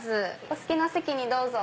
お好きな席にどうぞ。